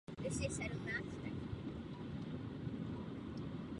Nicméně demokratické režimy bývají až příliš často řízeny krizovým managementem.